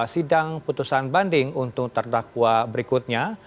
sidang putusan banding untuk terdakwa berikutnya